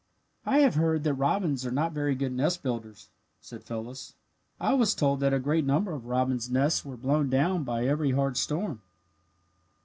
"I have heard that robins are not very good nest builders," said Phyllis. "I was told that a great number of robins' nests were blown down by every hard storm."